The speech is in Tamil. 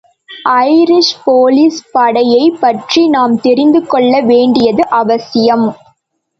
ஐரிஷ் போலீஸ் படையைப் பற்றி நாம் தெரிந்துக்கொள்ள வேண்டியது அவசியம்.